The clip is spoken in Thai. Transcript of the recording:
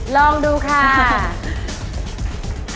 ลองดูค่ะ